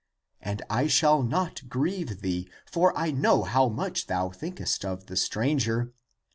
And I shall not grieve thee, for I know how much thou thinkest of the stranger.